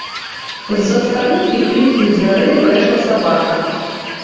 З-за старых і хліпкіх дзвярэй брэша сабака.